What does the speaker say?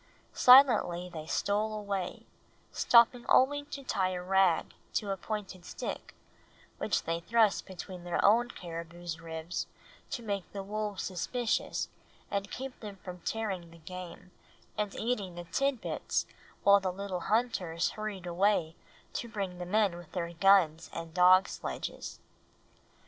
Silently they stole away, stopping only to tie a rag to a pointed stick, which they thrust between their own caribou's ribs to make the wolves suspicious and keep them from tearing the game and eating the tidbits while the little hunters hurried away to bring the men with their guns and dog sledges.